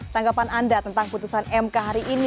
tanggapan anda tentang putusan mk hari ini